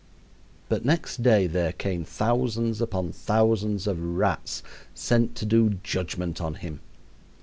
But next day there came thousands upon thousands of rats, sent to do judgment on him.